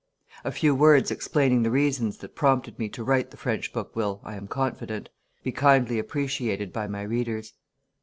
A few words explaining the reasons that prompted me to write the French book will, I am confident, be kindly appreciated by my readers.